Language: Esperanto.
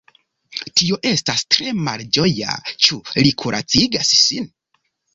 Tio estas tre malĝoja; ĉu li kuracigas sin?